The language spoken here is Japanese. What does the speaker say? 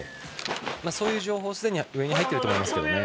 そういう情報はすでに上に入っているとは思います。